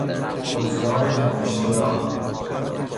حضار کماشتیاق